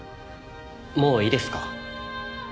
もういいですか？